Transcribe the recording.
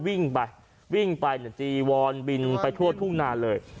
วิ่งไปวิ่งไปจีวอนบินไปทั่วทุ่งนาเลย